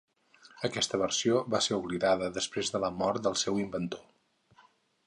Aquesta versió va ser oblidada després de la mort del seu inventor.